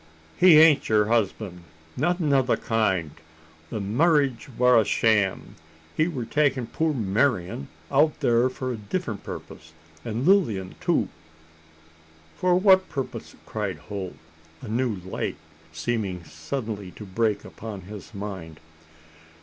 "He ain't her husband nothin' o' the kind. The marriage war a sham. He war takin' poor Marian out thar for a diffrent purpose an' Lilian too." "For what purpose?" cried Holt, a new light seeming suddenly to break upon his mind.